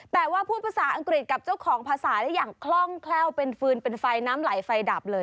แต่ว่าพูดภาษาอังกฤษกับเจ้าของภาษาได้อย่างคล่องแคล่วเป็นฟืนเป็นไฟน้ำไหลไฟดับเลย